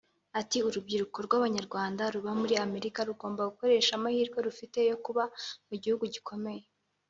Ati “ Urubyiruko rw’Abanyarwanda ruba muri Amerika rugomba gukoresha amahirwe rufite yo kuba mu gihugu gikomeye